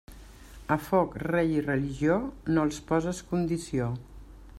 A foc, rei i religió, no els poses condició.